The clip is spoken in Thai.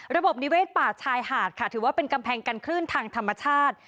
ระบบนิเวศป่าชายหาดค่ะถือว่าเป็นกำแพงกันคลื่นทางธรรมชาติ